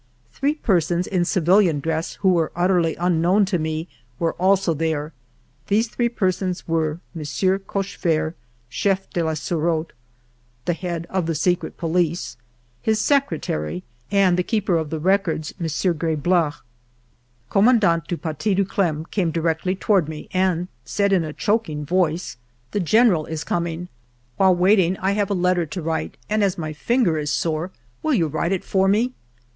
Three persons in civilian dress, who were utterly unknown to me, were also there. These three persons were M. Coche fert. Chef de la Surete (the head of the secret po lice), his secretary, and the Keeper of the Records, M. GribeHn. Commandant du Paty de Clam came directly toward me and said in a choking voice :" The General is coming. While waiting, I have a letter to write, and as my finger is sore, will you write it for me